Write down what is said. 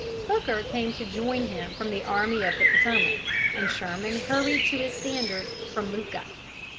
Hooker came to join him from the Army of the Potomac, and Sherman hurried to his standard from Iuka.